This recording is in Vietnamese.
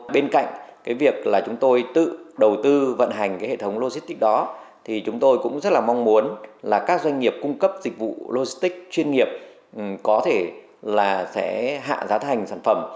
bên cạnh việc chúng tôi tự đầu tư vận hành hệ thống logistics đó chúng tôi cũng rất mong muốn các doanh nghiệp cung cấp dịch vụ logistics chuyên nghiệp có thể sẽ hạ giá thành sản phẩm